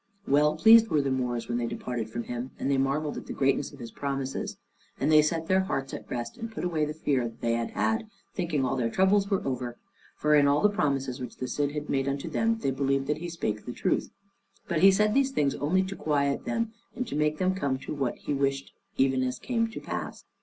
Well pleased were the Moors when they departed from him, and they marveled at the greatness of his promises, and they set their hearts at rest, and put away the fear which they had had, thinking all their troubles were over; for in all the promises which the Cid had made unto them, they believed that he spake truth; but he said these things only to quiet them, and to make them come to what he wished, even as came to pass.